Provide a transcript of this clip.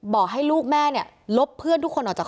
บอกให้ลูกแม่เนี่ยลบเพื่อนทุกคนออกจาก